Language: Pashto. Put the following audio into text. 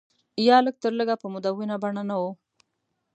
یا لږ تر لږه په مدونه بڼه نه و.